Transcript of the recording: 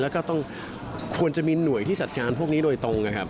แล้วก็ต้องควรจะมีหน่วยที่จัดงานพวกนี้โดยตรงนะครับ